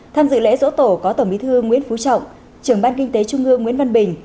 tham dự lễ dỗ tổ có tổng bí thư nguyễn phú trọng trưởng ban kinh tế trung ương nguyễn văn bình